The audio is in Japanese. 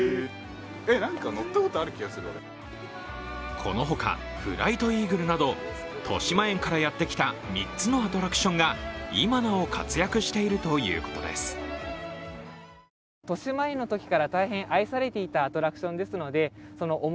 このほか、フライトイーグルなどとしまえんからやってきた３つのアトラクションが今なお活躍しているということです。